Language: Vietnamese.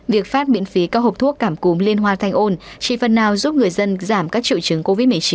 việc phát miễn phí các hộp thuốc cảm cúm liên hoa thanh ôn chỉ phần nào giúp người dân giảm các triệu chứng covid một mươi chín